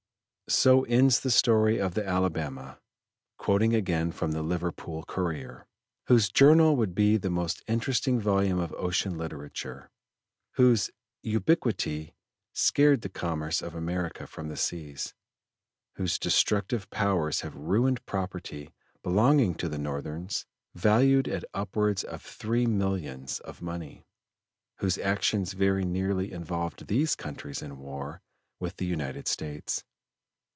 "So ends the story of the Alabama," quoting again from the Liverpool Courrier, "whose journal would be the most interesting volume of ocean literature; whose ubiquity scared the commerce of America from the seas; whose destructive powers have ruined property belonging to the northerns valued at upwards of three millions of money; whose actions very nearly involved these countries in war with the United States.